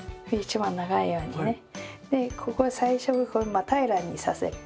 でここ最初真っ平らにさせる。